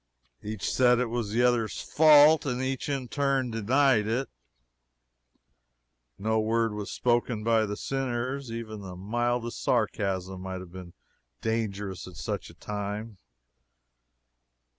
Each said it was the other's fault, and each in turn denied it. No word was spoken by the sinners even the mildest sarcasm might have been dangerous at such a time.